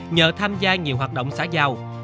nhờ tham gia nhiều hoạt động xã giao